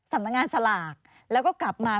เพราะว่าตอนแรกมีการพูดถึงนิติกรคือฝ่ายกฎหมาย